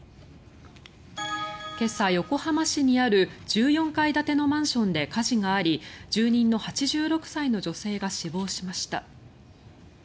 今朝、横浜市にある１４階建てのマンションで火事があり住人の８６歳の女性が死亡しました。